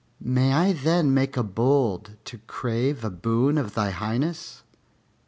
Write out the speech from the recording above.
May I then make bold to crave a boon of thy highness?"